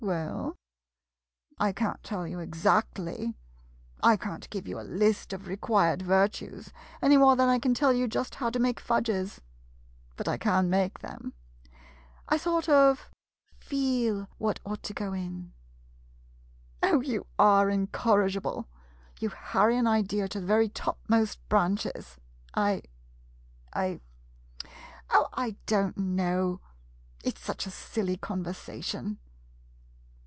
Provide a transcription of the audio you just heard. W e 1 1, I can't tell you exactly — I can't give you a list of required virtues, any more than I can tell you just how to make fudges — but I can make them. I sort of — feel 64 THEIR LAST RIDE TOGETHER what ought to go in. Oh, you are incorri gible. You harry an idea to the very top most branches — I — I — Oh, I don't know. It ? s such a silly conversation